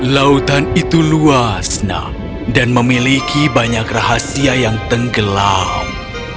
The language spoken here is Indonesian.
lautan itu luas dan memiliki banyak rahasia yang tenggelam